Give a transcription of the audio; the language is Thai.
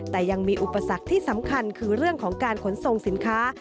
แต่ยังมีอุปสรรคที่สำคัญคือเรื่องของการขนส่งสินค้า